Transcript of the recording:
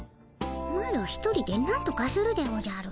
マロ一人でなんとかするでおじゃる。